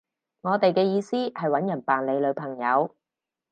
我哋嘅意思係搵人扮你女朋友